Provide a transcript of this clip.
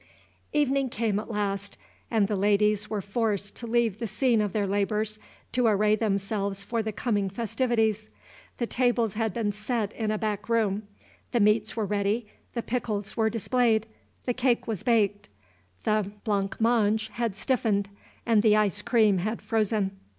Evening came at last, and the ladies were forced to leave the scene of their labors to array themselves for the coming festivities. The tables had been set in a back room, the meats were ready, the pickles were displayed, the cake was baked, the blanc mange had stiffened, and the ice cream had frozen.